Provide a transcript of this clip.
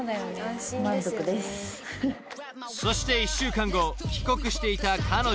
［そして１週間後帰国していた彼女を直撃］